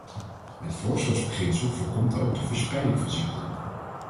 Het voorzorgsbeginsel voorkomt ook de verspreiding van ziekten.